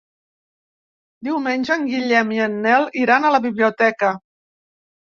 Diumenge en Guillem i en Nel iran a la biblioteca.